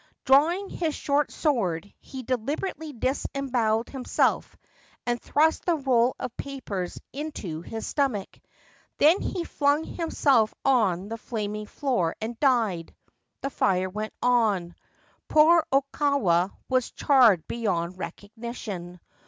Drawing his short sword, he deliberately disembowelled himself, and thrust the roll of papers into his stomach. Then he flung himself on the flaming floor and died. The fire went on. Poor Okawa was charred beyond recognition.